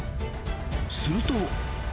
すると。